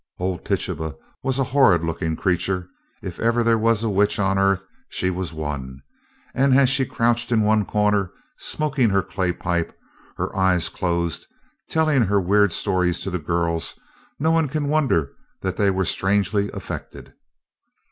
Old Tituba was a horrid looking creature. If ever there was a witch on earth, she was one, and as she crouched in one corner, smoking her clay pipe, her eyes closed, telling her weird stories to the girls, no one can wonder that they were strangely affected.